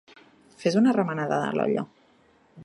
Fes una remenada a l'olla.